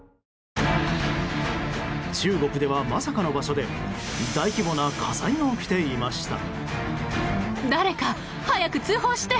中国では、まさかの場所で大規模な火災が起きていました。